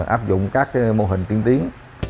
áp dụng các mô hình tiến tiến